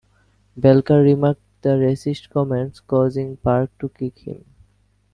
Belcher remarked with racist comments causing Park to kick him.